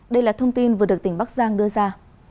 đây là thông tin vừa được tỉnh bắc giang đưa ra